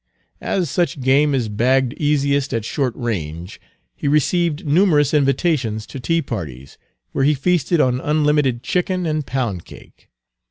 As such game is bagged easiest at short range, he received numerous invitations to tea parties, where he feasted on unlimited chicken and pound cake.